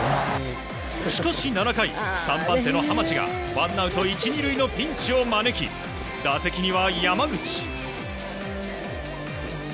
しかし７回、３番手の浜地がワンアウト１、２塁のピンチを招き打席には山口。